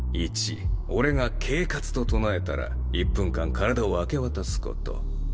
１俺が「契闊」と唱えたら１分間体を明け渡すこと。